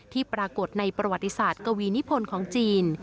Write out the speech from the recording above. ที่ปรากฏในประวัติศาสตร์กวีนิพลของจีน